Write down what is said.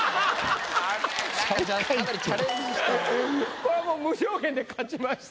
これはもう無条件で勝ちました。